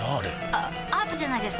あアートじゃないですか？